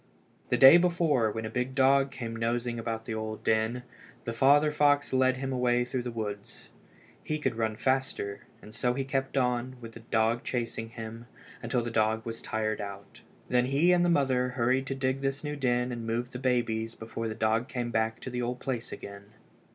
The day before, when a big dog came nosing about the old den, the father fox led him away through the woods. He could run the faster, and so he kept on, with the dog chasing him, till the dog was tired out. Then he and the mother hurried to dig this new den and move the babies before the dog came back to the old place again.